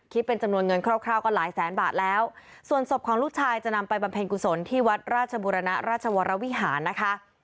เป็นจำนวนเงินคร่าวก็หลายแสนบาทแล้วส่วนศพของลูกชายจะนำไปบำเพ็ญกุศลที่วัดราชบุรณะราชวรวิหารนะคะ